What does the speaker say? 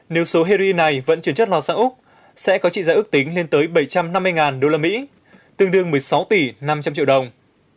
nếu số heroin này vận chuyển chất vào xã úc sẽ có trị giá ước tính lên tới bảy trăm năm mươi usd tương đương một mươi sáu tỷ năm trăm linh triệu đồng